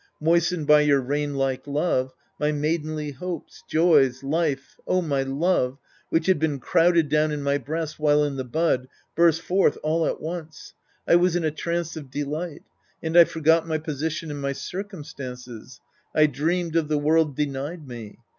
Moistened by your rain like love, my maidenly hopes, joys, life, oh, my love, which had been crowded down in my breast while in the bud, burst forth all at once. I was in a trance of delight. And I forgot my posi tion and my circumstances. I dreamed of the world denied me.